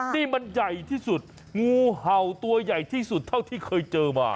นี่มันใหญ่ที่สุดงูเห่าตัวใหญ่ที่สุดเท่าที่เคยเจอมา